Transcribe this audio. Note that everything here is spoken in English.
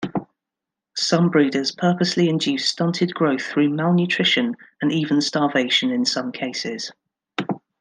Some breeders purposely induce stunted growth through malnutrition and even starvation in some cases.